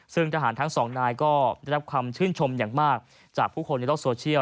ซึ่งทหารทั้งสองนายก็ได้รับความชื่นชมอย่างมากจากผู้คนในโลกโซเชียล